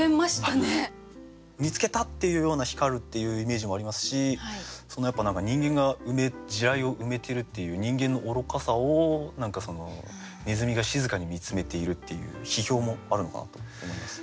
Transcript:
見つけたっていうような光るっていうイメージもありますしそのやっぱ何か人間が地雷を埋めてるっていう人間の愚かさを何かネズミが静かに見つめているっていう批評もあるのかなと思います。